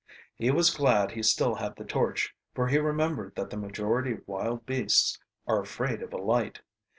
He was glad he still had the torch, for he remembered that the majority of wild beasts are afraid of a light.